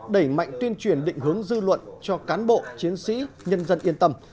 đẩy mạnh tuyên truyền định hướng dư luận cho cán bộ chiến sĩ nhân dân yên tâm